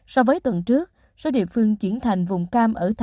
so với tuần trước số địa phương chuyển thành vùng cam ở tp hcm